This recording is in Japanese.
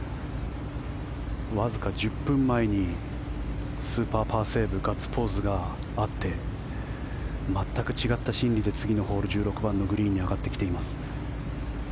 わずか１０分前にスーパーパーセーブガッツポーズがあって全く違った心理で１６番のホールに上がってきています。